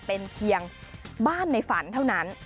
เป็นเพียงบ้านในฝันเท่านั้น